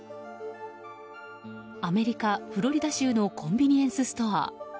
アメリカ・フロリダ州のコンビニエンスストア。